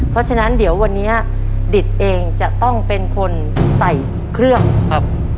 เพราะฉะนั้นเดี๋ยววันนี้ดิตเองจะต้องเป็นคนใส่เครื่องครับ